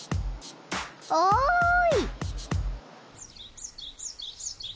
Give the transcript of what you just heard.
おい！